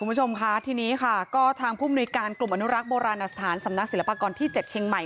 คุณผู้ชมค่ะทีนี้ค่ะก็ทางผู้มนุยการกลุ่มอนุรักษ์โบราณสถานสำนักศิลปากรที่๗เชียงใหม่